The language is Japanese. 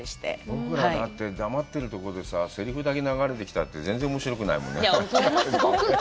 僕ら黙ってるところでせりふだけ流れてきたって、全然おもしろくないもんね。